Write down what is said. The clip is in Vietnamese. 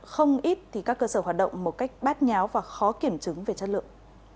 không ít thì các cơ sở hoạt động một cách bát nháo và khó kiểm chứng về chất lượng